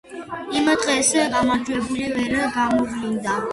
იმ დღეს გამარჯვებული ვერ გამოვლინდა.